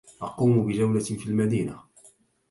أقوم بجولة في المدينة.